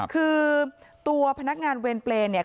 คือตัวพนักงานเวรเปรย์เนี่ย